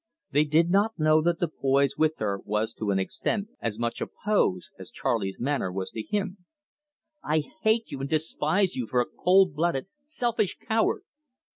They did not know that the poise with her was to an extent as much a pose as Charley's manner was to him. "I hate you and despise you for a cold blooded, selfish coward!"